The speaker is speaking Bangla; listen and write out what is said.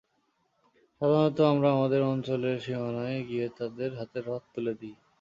সাধারণত, আমরা আমাদের অঞ্চলের সীমানায় গিয়ে তাদের হাতে রথ তুলে দিই।